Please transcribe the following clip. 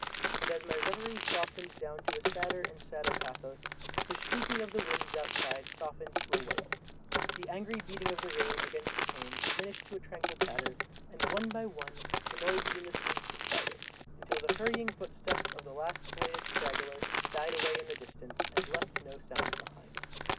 And as my reverie softened down to a sadder and sadder pathos, the shrieking of the winds outside softened to a wail, the angry beating of the rain against the panes diminished to a tranquil patter, and one by one the noises in the street subsided, until the hurrying footsteps of the last belated straggler died away in the distance and left no sound behind.